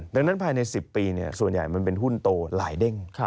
ดังนั้นภายใน๑๐ปีส่วนใหญ่มันเป็นหุ้นโตหลายเด้ง